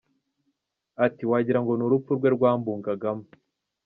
Ati « wagira ngo ni urupfu rwe rwambungagamo.